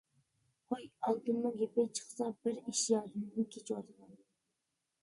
ھوي. ئالتۇننىڭ گېپى چىقسا بىر ئىش يادىمدىن كېچىۋاتىدۇ.